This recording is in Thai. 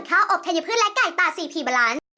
ข้าวอบเทนยพืชและไก่ตา๔พีบาลันท์